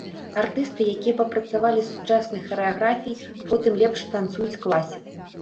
Артысты, якія папрацавалі з сучаснай харэаграфіяй, потым лепш танцуюць класіку.